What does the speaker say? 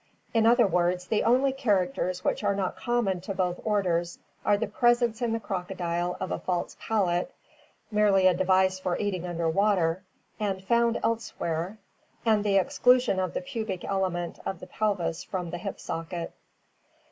In other words, the only characters which are not common to both orders are the presence in the croco diles of a false palate, merely a device for eating under water, and found elsewhere, and the exclusion of the pubic element of the pel vis from the hip socket.